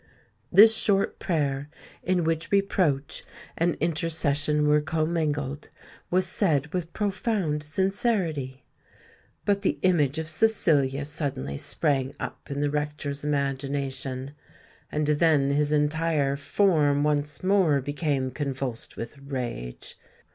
This short prayer, in which reproach and intercession were commingled, was said with profound sincerity. But the image of Cecilia suddenly sprang up in the rector's imagination; and then his entire form once more became convulsed with rage.